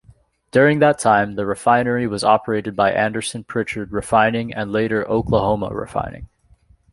During that time, the refinery was operated by Anderson-Prichard Refining and later Oklahoma Refining.